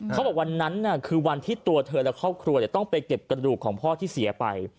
เขาบอกวันนั้นคือวันที่ตัวเธอและครอบครัวต้องไปเก็บกระดูกของพ่อที่เสียไป